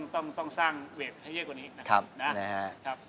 ต้องสร้างเวทให้เยอะกว่านี้นะครับ